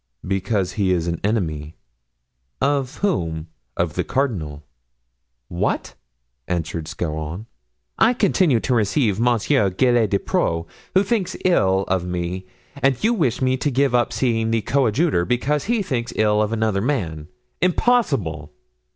"Because he is an enemy." "Of whom?" "Of the cardinal." "What?" answered Scarron, "I continue to receive Monsieur Gilles Despreaux, who thinks ill of me, and you wish me to give up seeing the coadjutor, because he thinks ill of another man. Impossible!"